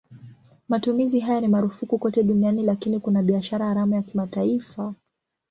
Matumizi haya ni marufuku kote duniani lakini kuna biashara haramu ya kimataifa.